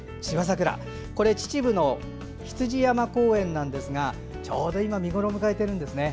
秩父の羊山公園ですがちょうど今見頃を迎えているんですね。